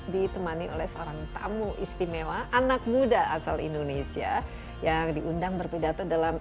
ditemani oleh seorang tamu istimewa anak muda asal indonesia yang diundang berpidato dalam